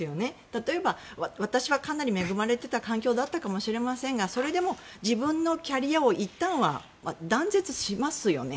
例えば、私はかなり恵まれてた環境だったかもしれませんがそれでも、自分のキャリアをいったんは断絶しますよね。